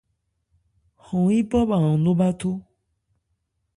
Hɔn yípɔ bha an nó bháthó.